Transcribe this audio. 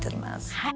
はい。